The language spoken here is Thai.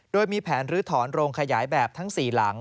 โดยมีแผนลื้อถอนโรงขยายแบบทั้ง๔หลัง